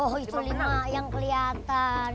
oh itu lima yang kelihatan